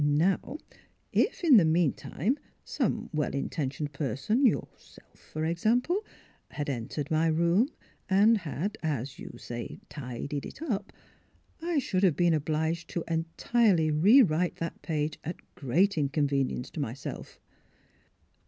Now, if, in the meantime, some well inten tioned person — yourself, for example — had en tered my room, and had, as you say, tidied it up, I should have been obliged to entirely re write that page at great inconvenience to my self."